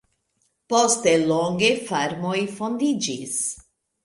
Poste longe farmoj fondiĝis.